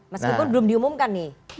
meskipun belum diumumkan nih